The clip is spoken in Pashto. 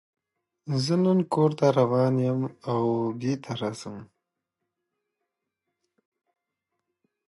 دښتې د افغان ماشومانو د لوبو موضوع ده.